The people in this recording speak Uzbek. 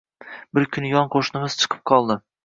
Bir kuni yon qoʻshnimiz chiqib qoldi